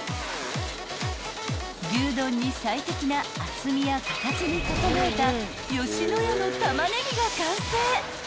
［牛丼に最適な厚みや形に整えた野家のタマネギが完成］